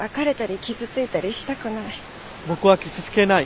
僕は傷つけない。